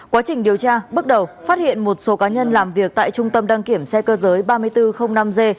quá trình điều tra bước đầu phát hiện một số cá nhân làm việc tại trung tâm đăng kiểm xe cơ giới ba nghìn bốn trăm linh năm g